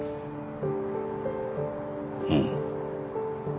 うん。